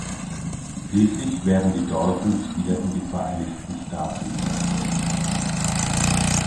Schließlich werden die Daltons wieder in die Vereinigten Staaten überstellt.